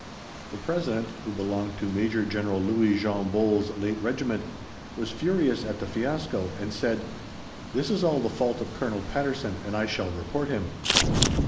The President (who belonged to Major General Louis Jean Bols' late Regiment) was furious at the fiasco, and said, "This is all the fault of Colonel Patterson, and I shall report him."